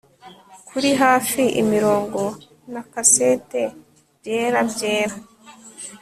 Kuri hafi imirongo na kasete byera byera